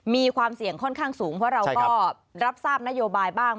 มีความเสี่ยงค่อนข้างสูงเพราะเราก็รับทราบนโยบายบ้าง